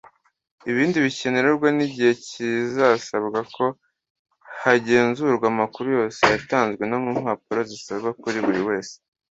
ibindi bikenerwa n’igihe kizasabwa ko hagenzurwa amakuru yose yatanzwe mu mpapuro zisaba kuri buri wese